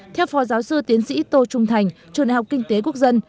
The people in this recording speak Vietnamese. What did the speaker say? theo phó giáo sư tiến sĩ tô trung thành trường đại học kinh tế quốc dân